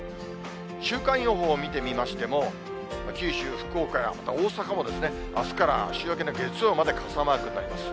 週間予報を見てみましても、九州、福岡やまた大阪も、あすから週明けの月曜まで、傘マークになります。